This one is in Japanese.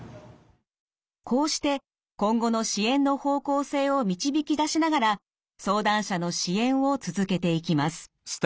こうして今後の支援の方向性を導き出しながら相談者の支援を続けていきます。